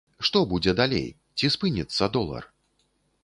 Што будзе далей, ці спыніцца долар?